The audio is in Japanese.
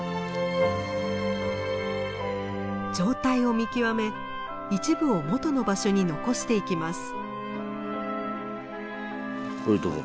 状態を見極め一部を元の場所に残していきます。